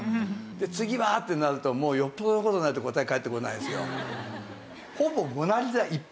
で次は？ってなるともうよっぽどの事がないと答えが返ってこないんですよ。